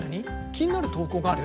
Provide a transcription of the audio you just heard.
気になる投稿がある？